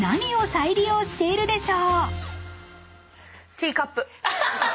ティーカップ。